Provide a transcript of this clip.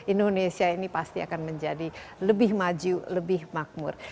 indonesia ini pasti akan menjadi lebih maju lebih makmur